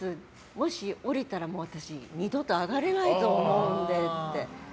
もし降りたら私二度と上がれないと思うんでって。